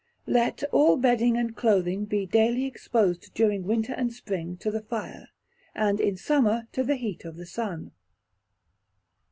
Let all Bedding and clothing be daily exposed during winter and spring to the fire, and in summer to the heat of the sun.